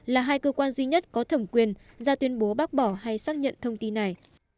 là hai cơ quan duy nhất có thẩm quyền ra tuyên bố bác bỏ hay xác nhận thông tin này